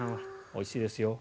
おいしいですよ。